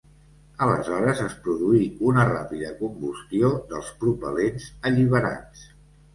Aleshores es produí una ràpida combustió dels propel·lents alliberats.